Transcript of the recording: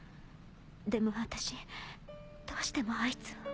でも私どうしてもあいつを。